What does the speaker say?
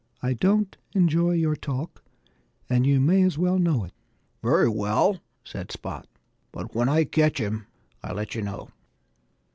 "I don't enjoy your talk; and you may as well know it." "Very well!" said Spot. "But when I catch him I'll let you know."